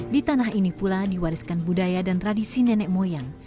di tanah ini pula diwariskan budaya dan tradisi nenek moyang